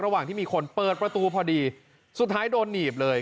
ระหว่างที่มีคนเปิดประตูพอดีสุดท้ายโดนหนีบเลย